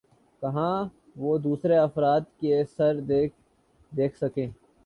کہہ وہ دوسر افراد کے ثر دیکھ سکہ